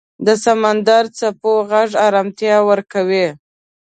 د سمندر څپو غږ آرامتیا ورکوي.